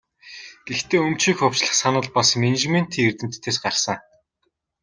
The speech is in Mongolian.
Гэхдээ өмчийг хувьчлах санал бас менежментийн эрдэмтдээс гарсан.